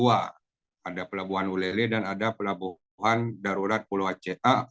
ada pelabuhan ulele dan ada pelabuhan darurat pulau aca